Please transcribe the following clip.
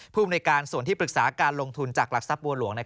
ภูมิในการส่วนที่ปรึกษาการลงทุนจากหลักทรัพย์บัวหลวง